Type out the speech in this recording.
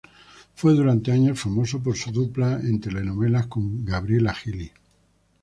Fue durante años famoso por su dupla en telenovelas con Gabriela Gili.